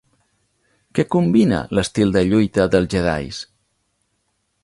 Què combina l'estil de lluita dels jedis?